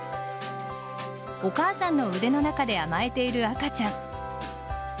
お母さんの腕の中で甘えている赤ちゃん。